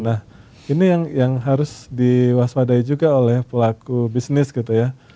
nah ini yang harus diwaspadai juga oleh pelaku bisnis gitu ya